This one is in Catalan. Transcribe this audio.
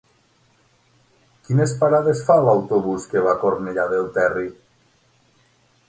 Quines parades fa l'autobús que va a Cornellà del Terri?